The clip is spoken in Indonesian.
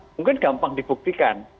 mungkin gampang dibuktikan